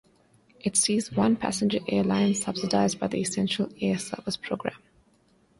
It sees one passenger airline, subsidized by the Essential Air Service program.